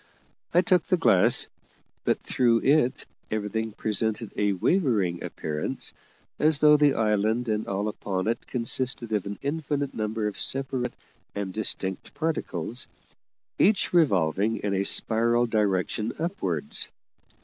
I took the glass, but through it everything presented a wavering appearance, as though the island and all upon it consisted of an infinite number of separate and distinct particles, each revolving in a spiral direction upwards.